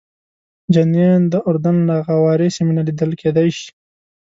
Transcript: جنین د اردن له اغاورې سیمې نه لیدل کېدای شي.